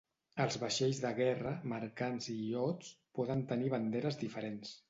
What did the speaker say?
Els vaixells de guerra, mercants i iots poden tenir banderes diferents.